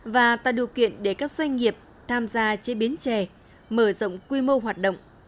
và tạo điều kiện để các doanh nghiệp tham gia chế biến chè mở rộng quy mô hoạt động